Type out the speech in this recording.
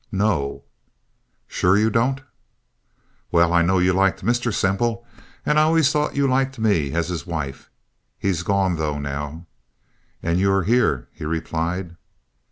"No." "Sure you don't?" "Well, I know you liked Mr. Semple, and I always thought you liked me as his wife. He's gone, though, now." "And you're here," he replied.